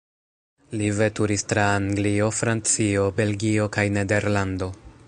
Li veturis tra Anglio, Francio, Belgio kaj Nederlando.